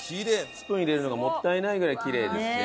スプーン入れるのがもったいないぐらいきれいですね。